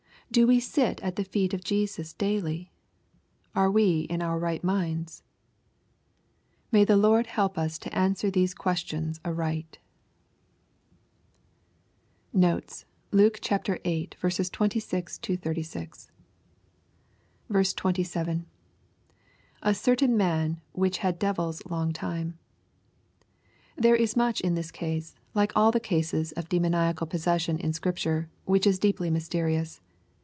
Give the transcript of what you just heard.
Do 'we sit at the feet of Jesus daily ? Are we in our right minds ? May the Lord help us to answer these questions aright t Notes. Luke VUI. 2& 36. f7. — [A certain man, which had devils hng time.] There is much in this case, like all the cases of demoniaod possession in Scripture, which is deeply mysterious.